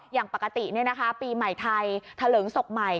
อย่างปกติปีใหม่ไทยเถลิงศพใหม่